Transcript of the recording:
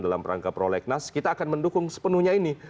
dalam rangka prolegnas kita akan mendukung sepenuhnya ini